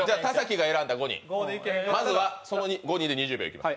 まずはそこの５人で２０秒いきます。